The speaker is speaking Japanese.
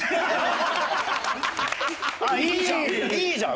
いいじゃん！